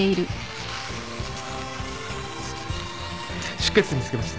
出血点見つけました。